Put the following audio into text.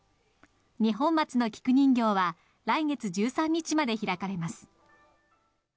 二本松の菊人形は、来月１３日まで開かれます。